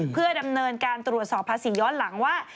เพื่อดำเนินการตรวจสอบภาษีย้อนหลังว่า